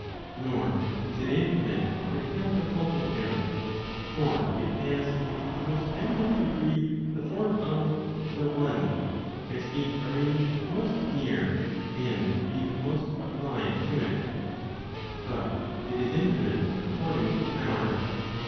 Nor is it infinite on account of multitude; for it has in the most eminent degree the form of the one , as being arranged most near, and being most allied to it. But it is infinite according to power.